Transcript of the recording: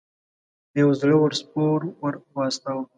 یو زړه ور سپور ور واستاوه.